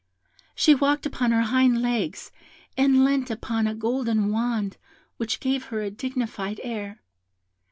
She walked upon her hind legs, and leant upon a gold wand, which gave her a dignified air.